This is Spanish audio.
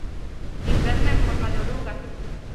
Inverna en forma de oruga.